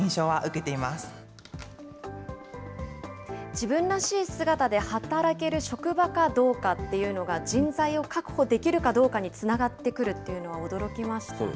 自分らしい姿で働ける職場かどうかっていうのが、人材を確保できるかどうかにつながってくるっていうのは、驚きましたね。